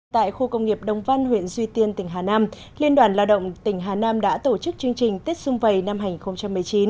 tại khu công nghiệp đông văn huyện duy tiên tỉnh hà nam liên đoàn lao động tỉnh hà nam đã tổ chức chương trình tết xung vầy năm hai nghìn một mươi chín